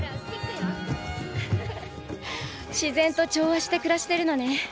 自然と調和して暮らしてるのね。